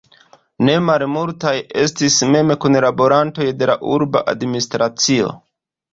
Ne malmultaj estis mem kunlaborantoj de la urba administracio.